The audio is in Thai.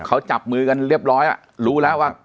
เขาจับมือกันเรียบร้อยรู้แล้วว่า